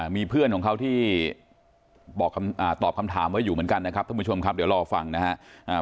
มีเพื่อนของเขาที่ตอบคำถามไว้อยู่เหมือนกันนะครับท่านผู้ชมครับเดี๋ยวรอฟังนะครับ